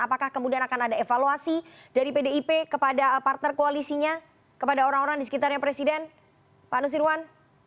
apakah kemudian akan ada evaluasi dari pdip kepada partner koalisinya kepada orang orang di sekitarnya presiden pak nusirwan